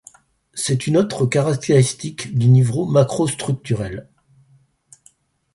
C’est une autre caractéristique du niveau macrostructurel.